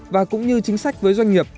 và cũng như chính sách với doanh nghiệp